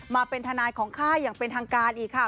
มาเป็นทนายของค่ายอย่างเป็นทางการอีกค่ะ